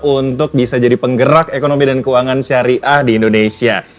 untuk bisa jadi penggerak ekonomi dan keuangan syariah di indonesia